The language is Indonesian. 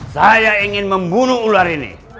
saya ingin membunuh ular ini